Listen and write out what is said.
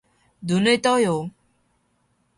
눈을 떠요.